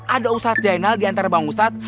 ada ustadz zainal diantara bang ustadz